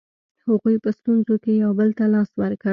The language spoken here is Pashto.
هغوی په ستونزو کې یو بل ته لاس ورکړ.